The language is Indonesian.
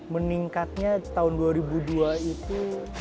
meningkatnya tahun dua ribu dua itu lima ratus